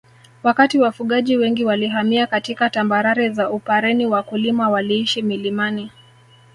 Wakati wafugaji wengi walihamia katika tambarare za Upareni wakulima waliishi milimani